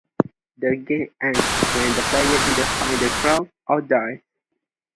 The game ends when the player either finds the crown, or dies.